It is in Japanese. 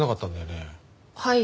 はい。